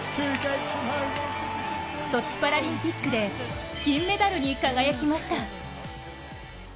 ソチパラリンピックで金メダルに輝きました。